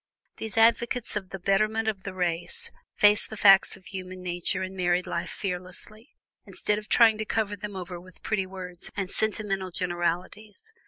These advocates of the Betterment of the Race face the facts of human nature and married life fearlessly, instead of trying to cover them over with pretty words and sentimental generalities.